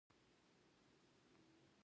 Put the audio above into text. دوی غواړي له صفري نقطې څخه کار پيل کړي.